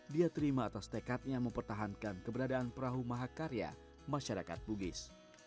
dia terima atas tekadnya mempertahankan keberadaan perahu mahakarya masyarakat bugis